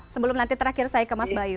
sebelum nanti terakhir saya ke mas bayu